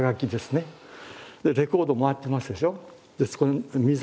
レコード回ってますでしょ。